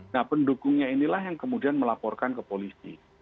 nah pendukungnya inilah yang kemudian melaporkan ke polisi